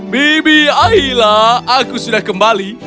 bibi aila aku sudah kembali